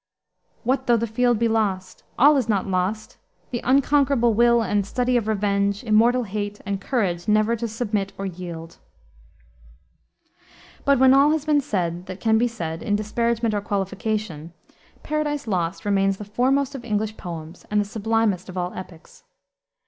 "What though the field be lost? All is not lost, the unconquerable will And study of revenge, immortal hate, And courage never to submit or yield." But when all has been said that can be said in disparagement or qualification, Paradise Lost remains the foremost of English poems and the sublimest of all epics.